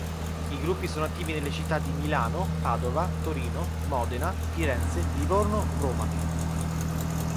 I gruppi sono attivi nelle città di Milano, Padova, Torino, Modena, Firenze, Livorno, Roma.